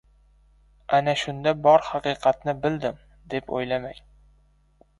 Ana shunda “Bor haqiqatni bildim”, deb o‘ylamang.